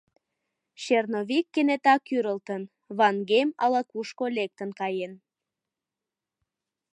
Черновик кенета кӱрылтын: Ван-Гейм ала-кушко лектын каен.